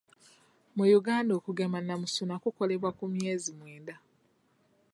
Mu Uganda okugema namusuna kukolebwa ku myezi mwenda.